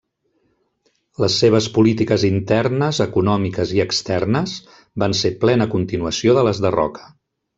Les seves polítiques internes, econòmiques i externes van ser plena continuació de les de Roca.